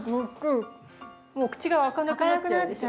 もう口が開かなくなっちゃうでしょ。